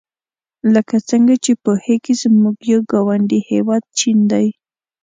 لکه څنګه چې پوهیږئ زموږ یو ګاونډي هېواد چین دی.